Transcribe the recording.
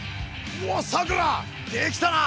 おおさくらできたな。